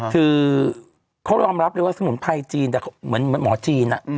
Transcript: คือเขายอมรับเลยว่าสมุนไพรจีนแต่เหมือนหมอจีน